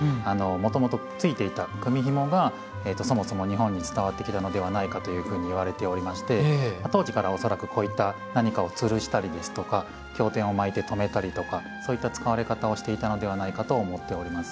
もともとついていた組みひもがそもそも日本に伝わってきたのではないかというふうにいわれておりまして当時から恐らくこういった何かをつるしたりですとか経典を巻いて留めたりとかそういった使われ方をしていたのではないかと思っております。